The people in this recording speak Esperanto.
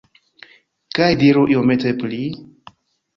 Kaj diru iomete pli